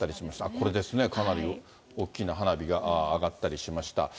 これですね、かなり大きな花火が上がったりしました。